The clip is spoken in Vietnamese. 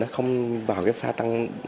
nó không vào pha tăng